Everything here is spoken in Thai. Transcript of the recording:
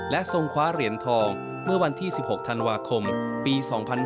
และทรงคว้าเหรียญทองเมื่อวันที่๑๖ธันวาคมปี๒๕๕๙